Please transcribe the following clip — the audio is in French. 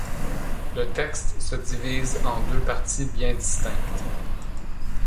Le texte se divise en deux parties bien distinctes.